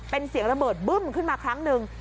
เป็นเสียงระเบิดบึ้มขึ้นมาครั้งหนึ่ง